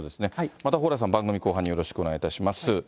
また蓬莱さん、番組後半によろしくお願いいたします。